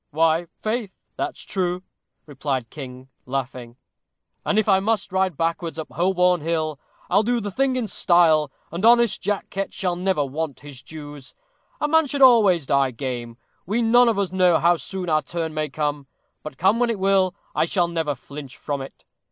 "Why, faith, that's true," replied King, laughing; "and if I must ride backwards up Holborn Hill, I'll do the thing in style, and honest Jack Ketch shall never want his dues. A man should always die game. We none of us know how soon our turn may come; but come when it will, I shall never flinch from it.